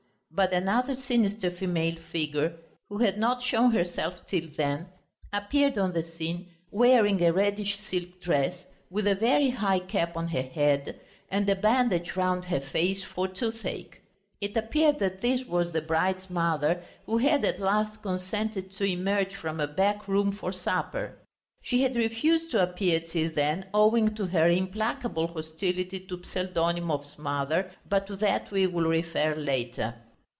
But another sinister female figure, who had not shown herself till then, appeared on the scene, wearing a reddish silk dress, with a very high cap on her head and a bandage round her face for toothache. It appeared that this was the bride's mother, who had at last consented to emerge from a back room for supper. She had refused to appear till then owing to her implacable hostility to Pseldonimov's mother, but to that we will refer later.